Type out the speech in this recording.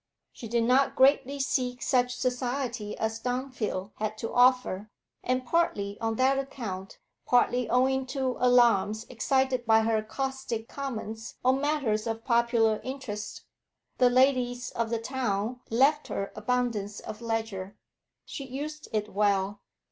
She did not greatly seek such society as Dunfield had to offer, and partly on that account, partly owing to alarms excited by her caustic comments on matters of popular interest, the ladies of the town left her abundance of leisure. She used it well.